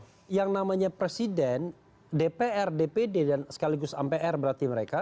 kalau yang namanya presiden dpr dpd dan sekaligus apr berarti mereka